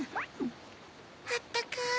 あったかい。